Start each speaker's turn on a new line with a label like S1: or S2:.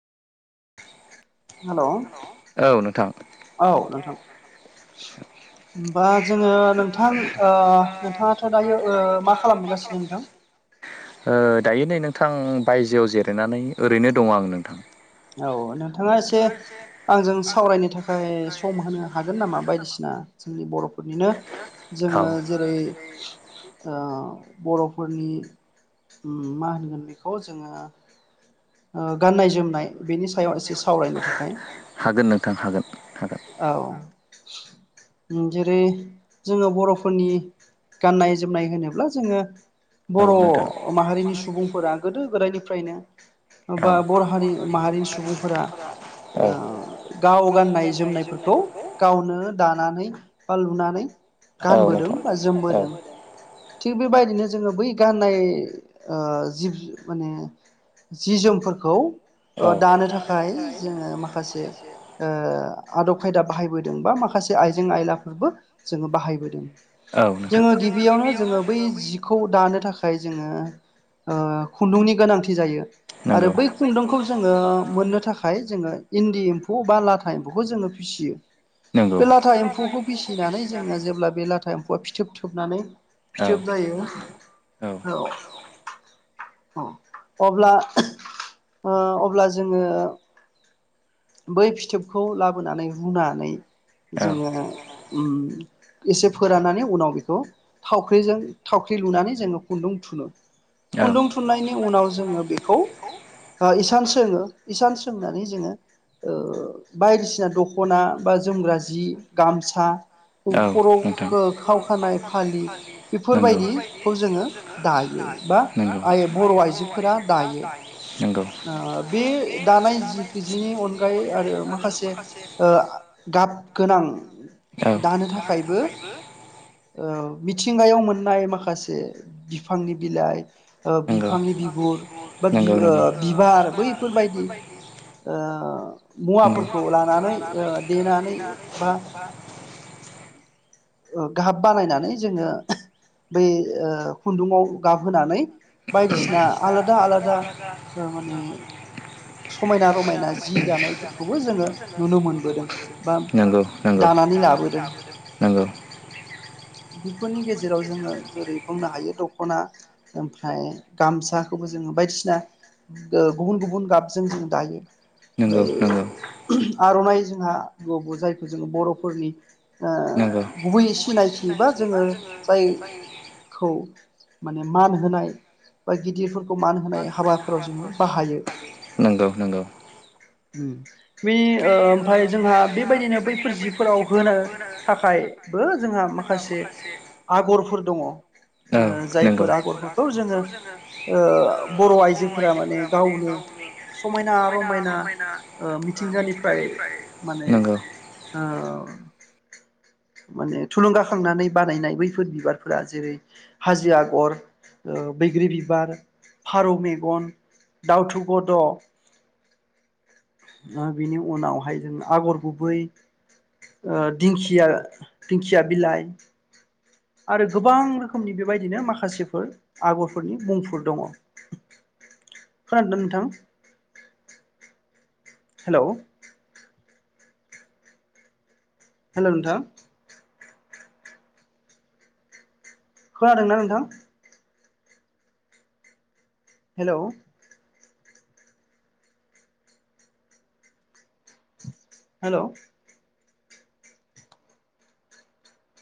S1: हेल औ नोंथां। बास। जोङो नोंथां ओ नोंथाङाथ' दायो ओ मा खालामबोगासिनो नोंथां।
S2: ओ दायो नै नोंथां बायजोआव जिरायनानै ओरैनो दं आं नोंथां।
S1: औ नोंथाङा एसे आंजों। सावरायनो थाखाय सम होनो हागोन नामा बायदिसिना जोंनि बर'फोरनिनो
S2: औ
S1: जोङो जेरै ओ बर'फोरनि मा होनगोन बेखौ जोङो ओ गाननाय जोमनाय बेनि सायाव एसे सावरायनो थाखाय
S2: हागोन नोंथां हागोन हागोन
S1: औ। जेरै जोङो बर'फोरनि गाननाय जोमनाय होनोब्ला जोङो।
S2: औ
S1: बर'
S2: नोंथां
S1: माहारिनि सुबुंफोरा गोदो गोदायनिफ्रायनो
S2: औ
S1: बा बर हारि माहारिनि सुबुंफोरा
S2: औ
S1: ओ गाव गाननाय जोमनायफोर खौ गावनो दानानै बा लुनानै
S2: औ
S1: गानबोदों
S2: नोंथां
S1: बा
S2: औ
S1: जोमबोदों थिग बेबायदिनो जोङो बै गाननाय जिब माने जि जोमफोरखौ।
S2: औ
S1: अ दानो थाखाय जोङो माखासे ओ आदब खायदा बाहायबोदों बा माखासे आइजें आयलाफोरबो जोङो बाहायबोदों।
S2: औ नोंथां
S1: जोङो गिबियावनो जोङो बै जिखौ दानो थाखा जाय जोङो खुन्दुंनि गोनांथि जायो। आरो बै खुन्दुंखौ जोङो मोननो थाखाय जोङो। इन्दि एम्फौ बा लाथा एम्फौखौ जोङो फिसियो।
S2: नंगौ
S1: बे लाथा एम्फौखौ फिसिनानै जोङो जेब्ला बे लाथा एम्फौआ फिथोब थोबनानै
S2: औ
S1: फिथोब जायो औ औ अब्ला ओ अब्ला जोङो बै फिथोबखौ लाबोनानै रुनानै
S2: औ
S1: जोङो उम एसे फोराननानै उनाव बेखौ थावख्रिजों थाव ख्रि लुनानै जोङो खुन्दुं थुनो
S2: औ
S1: खुन्दुं थुन्नायनि उनाव जोङो बे खौ इसान सोङो इसान सोंनानै जोङो बायदिसिना दख'ना बा जोमग्रा जि गाम सा
S2: औ नोंथां
S1: खर'खो खावखानाय फालि
S2: नंगौ
S1: बेफोरबायदि खौ जोङो दायो बा आ बर' आइजोफोरा दयो
S2: नंगौ
S1: ओ बे दानाय जि जिनि अनगायै आरो माखासे ओ गाब गोनां
S2: औ
S1: दानो थाखायबो मिथिंगायाव मोन नाय माखासे बिफांनि बिलाइ ओ
S2: नंगौ
S1: बिफांनि बिगुर बा बि
S2: नंगौ नंगौ
S1: बिबार बैफोरबायदि ओ मुवाफोरखौ लानानै ओ देनानै बा [unintelligible] [inaudible] गाब बानायनानै जोङो बै ओ खुन्दुंङाव गाब होनानै बायदिसिना आलादा
S2: आलादा आलादा
S1: ओ माने समायना रमायना
S2: धर्मखौ
S1: जि दानायफोरखौबो जोङो नुनो मोनबोदों बा
S2: [unintelligible] नगौ-नगौ।
S1: दानानै लाबोदों
S2: [unintelligible] नंगौ।
S1: बेफोरनि गेजेराव जोङो जेरै बुंनो हायो दख'ना ओमफ्राय गामसा खौबो जोङो बायदिसिना गुबुन गुबुन गाबजों जों दायो।
S2: नंगौ
S1: ओमफ्राय
S2: नंगौ
S1: आर'नाइ जोंहा [unintelligible] जायखौ जोङो बर'फोरनि
S2: नंगौ
S1: गुबै सिनायथि बा जोङो जाय खौ माने मान होनाय बा गिदिरफो मान होनाय हाबाफोराव जोङो बाहायो।
S2: नंगौ नंगौ
S1: बेनि ओमफफ्राय जोंहा बेबायदिनो बैफोर जिफोराव होनो थाखायबो जोंहा
S2: जोंहा माखासे
S1: आगरफोर दङ जायफोर आगरफोरखौ जोङो ओ बर' आइजोफोरा माने गावनो समायना रमायना ओ मिथिंगानिफ्राय माने
S2: नंगौ
S1: आ माने थुलुंगाखांनानै बानायनाय बैफोर बिबारफोरा जेरै हाजो आगर बैग्रि बिबार फारौ मेगन दाउथु गद' बेनि उनावहाय जों आगर गुबै दिंखिया दिंखिया बिलाइ आरो गोबां रोखोमनि बेबायदिनो माखासेफोर आगरफोरनि बुंफोर दङ खोनादों नोंथां? हेल'। हेल' नोंथां खोनादोंना नोंथां? हेल'। हेल'।